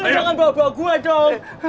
jangan bawa bawa gua dong